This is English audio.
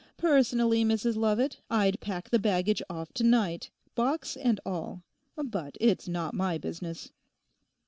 'Personally, Mrs Lovat, I'd pack the baggage off to night, box and all. But it's not my business.